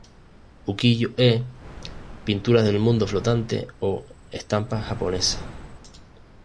Ukiyo-e, pinturas del mundo flotante, o Estampa Japonesa.